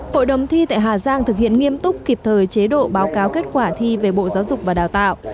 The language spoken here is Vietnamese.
hội đồng thi tại hà giang thực hiện nghiêm túc kịp thời chế độ báo cáo kết quả thi về bộ giáo dục và đào tạo